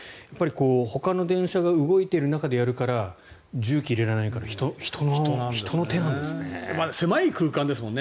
ほかの電車が動いている中でやるから重機を入れられないから人の手なんですね。